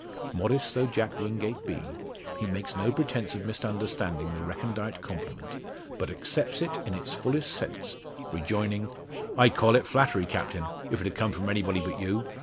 Modest though Jack Wingate be, he makes no pretence of misunderstanding the recondite compliment, but accepts it in its fullest sense, rejoining "I'd call it flattery, Captain, if't had come from anybody but you.